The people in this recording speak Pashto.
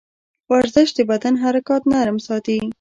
ورزش د بدن حرکات نرم ساتي.